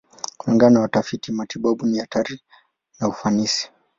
Kulingana na watafiti matibabu, ni hatari na ufanisi.